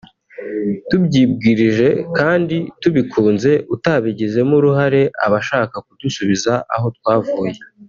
tubyibwirije kandi tubikunze; utabigizemo uruhare aba ashaka kudusubiza aho twavuye